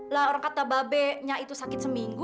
lah orang kata babenya itu sakit seminggu